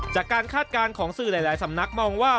คาดการณ์ของสื่อหลายสำนักมองว่า